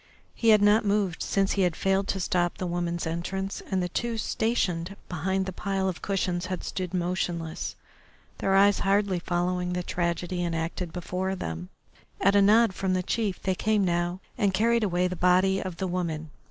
He had not moved since he had failed to stop the woman's entrance, and the two stationed behind the pile of cushions had stood motionless, their eyes hardly following the tragedy enacted before them. At a nod from the chief they came now and carried away the body of the woman.